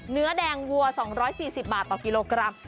เนื้อแดงวัว๒๔๐บาทต่อกิโลกรัม